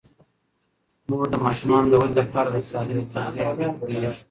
مور د ماشومانو د ودې لپاره د سالمې تغذیې اهمیت پوهیږي.